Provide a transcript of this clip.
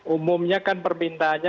umumnya kan permintaannya